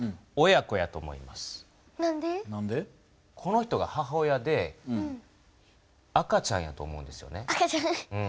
この人が母親で赤ちゃんやと思うんですよね。